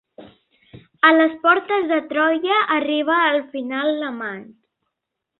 A les portes de Troia arriba al final l'amant.